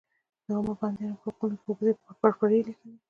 د عامو بندیانو په حقوقو یې اوږدې پرپړې لیکلې.